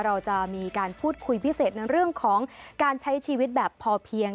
เราจะมีการพูดคุยพิเศษในเรื่องของการใช้ชีวิตแบบพอเพียง